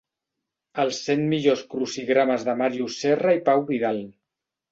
Els cent millors crucigrames de Màrius Serra i Pau Vidal.